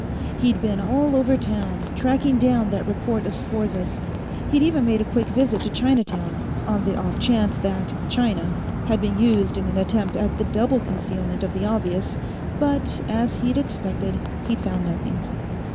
He'd been all over town, tracking down that report of Sforza's; he'd even made a quick visit to Chinatown, on the off chance that "China" had been used in an attempt at the double concealment of the obvious, but, as he'd expected, he'd found nothing.